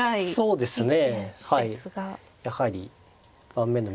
そうですね。